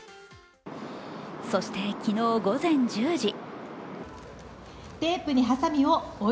そして昨日午前１０時。